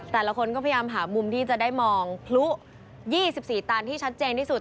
แต่ละคนก็พยายามหามุมที่จะได้มองพลุ๒๔ตันที่ชัดเจนที่สุด